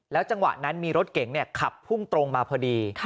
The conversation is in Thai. จังหวะนั้นมีรถเก๋งขับพุ่งตรงมาพอดี